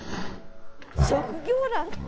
職業欄！